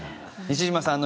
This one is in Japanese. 西嶋さん